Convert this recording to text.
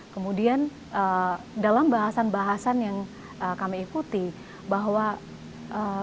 kemudian dalam bahasan bahasan yang terdampak oleh covid sembilan belas dan di mana juga masuk ke kelompok rentan adalah anak anak